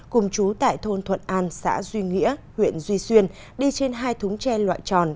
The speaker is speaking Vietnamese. cùng chú tại thôn thuận an xã duy nghĩa huyện duy xuyên đi trên hai thúng tre loại tròn